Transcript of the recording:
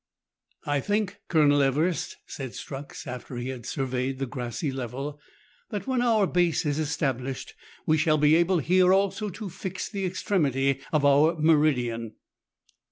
" I think, Colonel Everest," said Strux, after he had surveyed the grassy level, "that when our base is esta blished, we shall be able here also to fix the extremity of our meridian."